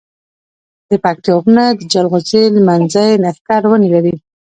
دپکتيا غرونه جلغوزي، لمنځی، نښتر ونی لری